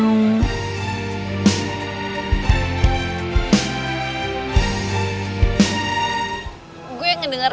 luar biasa naro